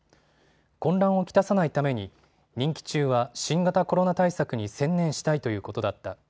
混乱を来さないために任期中は新型コロナ対策に専念したいということだった。